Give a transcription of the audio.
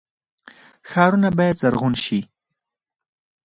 ښارونه باید زرغون شي